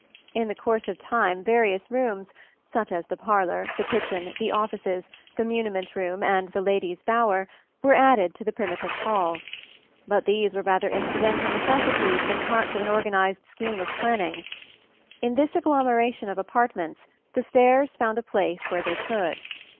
In the course of time various rooms, such as the parlor, the kitchen, the offices, the muniment room and the lady's bower, were added to the primitive hall; but these were rather incidental necessities than parts of an organized scheme of planning. In this agglomeration of apartments the stairs found a place where they could.